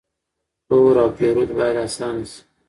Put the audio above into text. پلور او پېرود باید آسانه شي.